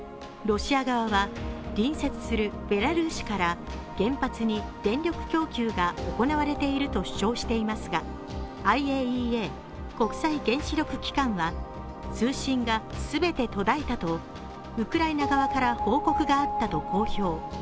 ロシア側は隣接するベラルーシから原発に電力供給が行われていると主張していますがＩＡＥＡ＝国際原子力機関は通信が全て途絶えたとウクライナ側から報告があったと公表。